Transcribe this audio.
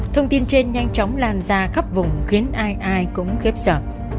thông tin trên nhanh chóng lan ra khắp vùng khiến ai ai cũng khiếp sợ